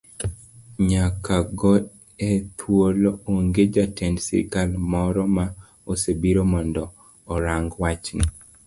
Nyaka go e thuoloni onge jatend sirikal moro ma osebiro mondo orang wachni.